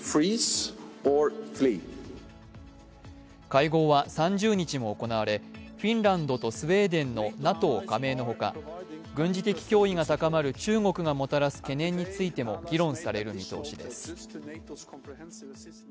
会合は３０日も行われフィンランドとスウェーデンのＮＡＴＯ加盟の他、軍事的脅威が高まる中国がもたらす懸念についても議論される見通しです。